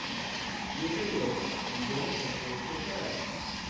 Yuli wass, lgerra teḥbes ur tekkat ara.